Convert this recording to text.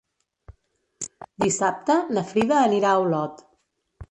Dissabte na Frida anirà a Olot.